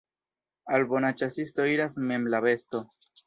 Al bona ĉasisto iras mem la besto.